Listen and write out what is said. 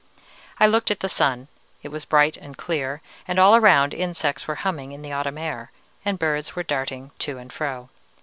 I looked at the sun; it was bright and clear, and all around insects were humming in the autumn air, and birds were darting to and fro.